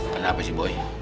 kenapa sih boy